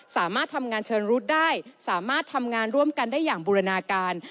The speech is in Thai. สามารถทำงานเชิงรุดได้สามารถทำงานร่วมกันได้อย่างบูรณาการ